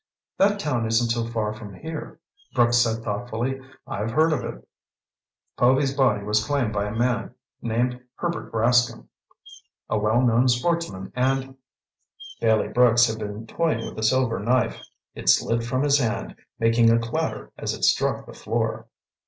"That town isn't so far from here," Brooks said thoughtfully. "I've heard of it." "Povy's body was claimed by a man named Herbert Rascomb. A well known sportsman and—" Bailey Brooks had been toying with a silver knife. It slid from his hand, making a clatter as it struck the floor.